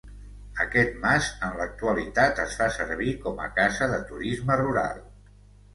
Aquest mas en l'actualitat es fa servir com a casa de turisme rural.